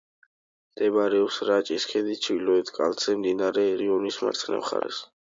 მდებარეობს რაჭის ქედის ჩრდილოეთ კალთაზე, მდინარე რიონის მარცხენა მხარეს.